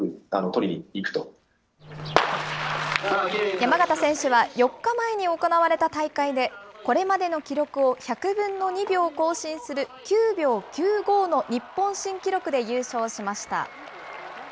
山縣選手は４日前に行われた大会で、これまでの記録を１００分の２秒更新する９秒９５の日本新記録で優勝しました。